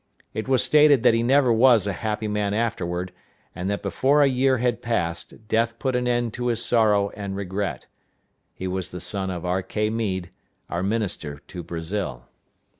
It was stated that he never was a happy man afterward, and that before a year had passed death put an end to his sorrow and regret. He was the son of R.K. Meade, our minister to Brazil.